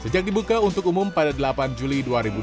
sejak dibuka untuk umum pada delapan juli dua ribu dua puluh